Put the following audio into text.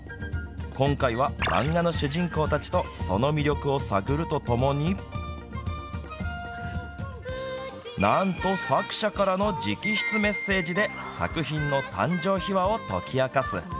今回は漫画の主人公たちとその魅力を探るとともになんと作者からの直筆メッセージで作品の誕生秘話を解き明かす。